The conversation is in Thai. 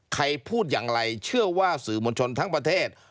ใครพูดอย่างไรเชื่อว่าสื่อมวลชนทั้งประเทศ